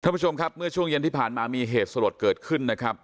ท่านผู้ชมครับเมื่อช่วงเย็นที่ผ่านมามีเหตุสลดเกิดขึ้นนะครับ